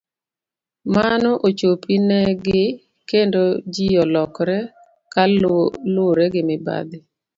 Mano ochopi ne gi kendo ji olokre ka luwre gi mibadhi.